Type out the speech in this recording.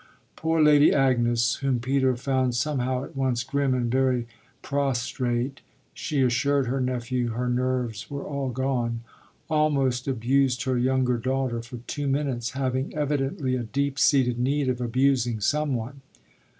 Poor Lady Agnes, whom Peter found somehow at once grim and very prostrate she assured her nephew her nerves were all gone almost abused her younger daughter for two minutes, having evidently a deep seated need of abusing some one.